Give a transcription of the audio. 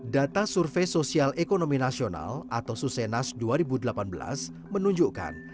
data survei sosial ekonomi nasional atau susenas dua ribu delapan belas menunjukkan